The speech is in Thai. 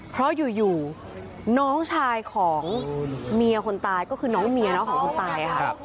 เพราะอยู่น้องชายของเมียคนตายก็คือน้องเมียน้องของคนตายค่ะ